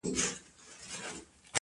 ماته خوښي راكوي-